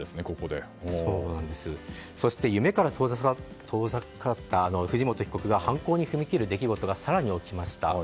そして夢から遠ざかった藤本被告が犯行に踏み切る出来事が更に起きました。